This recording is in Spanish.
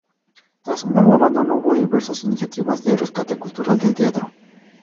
Tras un largo abandono, hubo diversas iniciativas de rescate cultural del teatro.